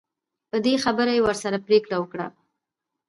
په دې خبره یې ورسره پرېکړه وکړه.